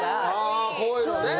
あこういうのね。